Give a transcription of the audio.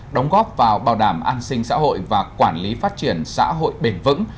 đóng góp vào bảo đảm an sinh xã hội và quản lý phát triển xã hội bền vững